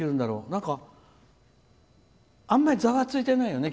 なんかあんまりざわついてないよね